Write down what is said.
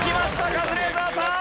カズレーザーさん！